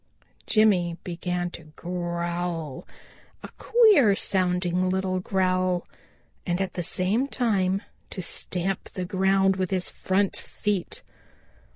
Jimmy began to growl, a queer sounding little growl, and at the same time to stamp the ground with his front feet.